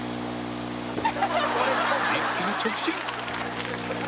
一気に直進